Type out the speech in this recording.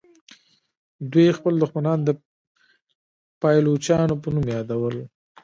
دوی خپل دښمنان د پایلوچانو په نوم یادول.